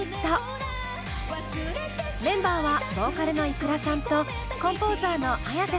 メンバーはボーカルのｉｋｕｒａさんとコンポーザーのＡｙａｓｅさん。